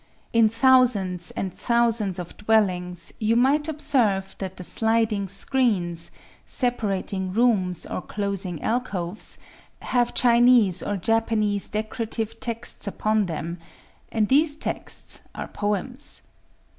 In thousands and thousands of dwellings, you might observe that the sliding screens, separating rooms or closing alcoves, have Chinese or Japanese decorative texts upon them;—and these texts are poems.